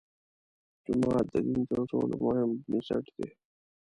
جومات د دین تر ټولو مهم بنسټ دی.